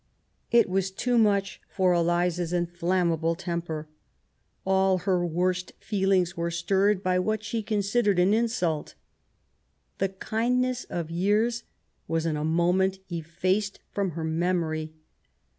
It was too much for Eliza's inflammable temper. All her worst feelings were stirred by what she considered an insult. The kindness of years was in a moment effaced from her memory.